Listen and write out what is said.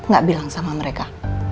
gak bilang sama mereka